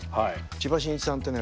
千葉真一さんってね